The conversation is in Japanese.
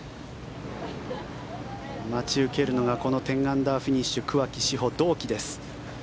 待ち受けるのがこの１０アンダーフィニッシュ桑木志帆、同期です。